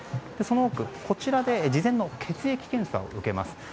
その奥で事前の血液検査を受けます。